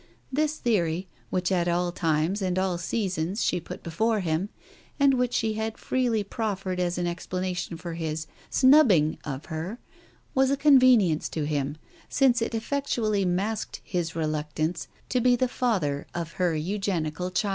This theory, which at all times and all seasons she put before him, and which she had freely proffered as an explanation of his "snubbing" of her, was a conveni ence to him, since it effectually masked his reluctance to be the father of her eugenical child.